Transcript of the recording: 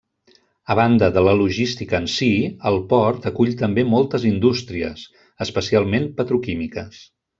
A banda de la logística en si, el port acull també moltes indústries, especialment petroquímiques.